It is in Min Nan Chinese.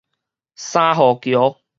三和橋